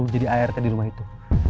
baru jadi art di rumah itu